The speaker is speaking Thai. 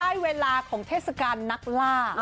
ได้เวลาของเทศกาลนักล่า